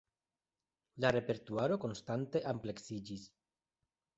La repertuaro konstante ampleksiĝis.